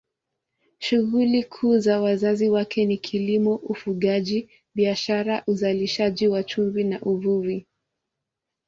Shughuli kuu za wakazi wake ni kilimo, ufugaji, biashara, uzalishaji wa chumvi na uvuvi.